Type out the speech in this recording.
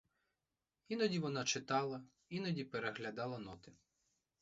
Іноді вона читала, іноді переглядала ноти.